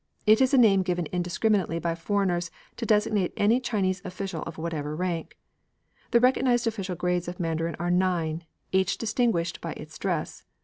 It is a name given indiscriminately by foreigners to designate any Chinese official of whatever rank. The recognised official grades of mandarins are nine, each distinguished by its dress.